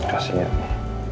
berhasil ya ini